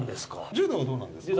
柔道はどうなんですか？